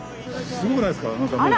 すごくないですか？